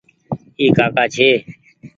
اي ڪآڪآ ڇي ۔